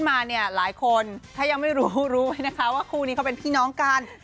ถ้ายังไม่รู้คู่นี้เค้าเป็นพี่น้องกัน